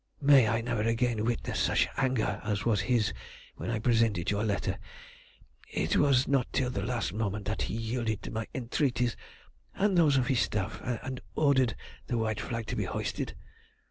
May I never again witness such anger as was his when I presented your letter. It was not till the last moment that he yielded to my entreaties and those of his staff, and ordered the white flag to be hoisted."